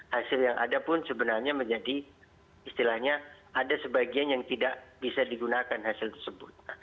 hasil yang ada pun sebenarnya menjadi istilahnya ada sebagian yang tidak bisa digunakan hasil tersebut